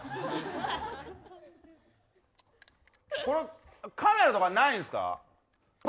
これカメラとかないんですか？